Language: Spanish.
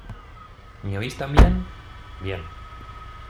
¿ Me oís también? Bien.